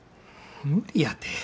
無理やて。